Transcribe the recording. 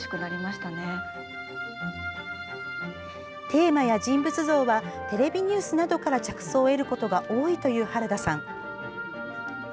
テーマや人物像はテレビニュースなどから着想を得ることが多いという原田さん。